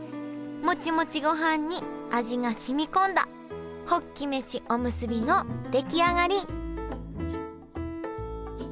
モチモチごはんに味がしみこんだホッキ飯おむすびの出来上がり！